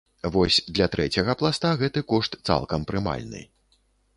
Вось для трэцяга пласта гэты кошт цалкам прымальны.